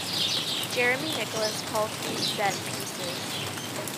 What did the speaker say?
Jeremy Nicholas calls these set pieces.